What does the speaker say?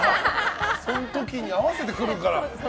その時に合わせて来るから。